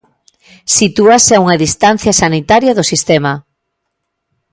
Sitúase a unha distancia sanitaria do sistema.